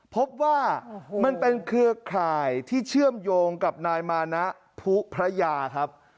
พบว่ามันเป็นเครือข่ายที่เชื่อมโยงกับนายมานะผู้พระยาครับ